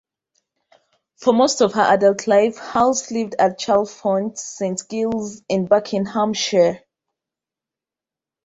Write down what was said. For most of her adult life Halse lived at Chalfont St Giles in Buckinghamshire.